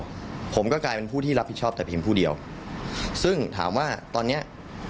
แล้วผมก็กลายเป็นผู้ที่รับผิดชอบแต่เพียงผู้เดียวซึ่งถามว่าตอนเนี้ย